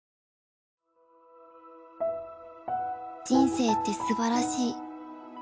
人生ってすばらしい。